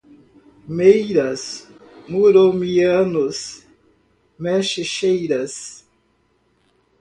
Merias, muromianos, meshcheras